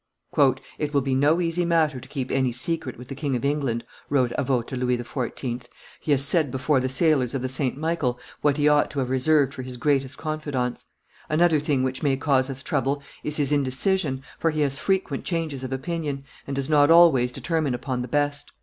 "It will be no easy matter to keep any secret with the King of England," wrote Avaux to Louis XIV.; "he has said before the sailors of the St. Michael what he ought to have reserved for his greatest confidants. Another thing which may cause us trouble is his indecision, for he has frequent changes of opinion, and does not always determine upon the best.